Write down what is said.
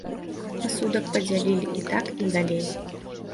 Пасудак падзялілі і так і далей.